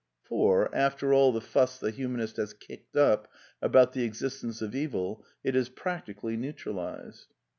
(For, after all the foss the humanist has kicked up about the existence of Evil^ it is ^^ practically neutralized